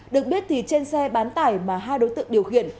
được biết thì trên xe bán tải mà hai đối tượng điều khiển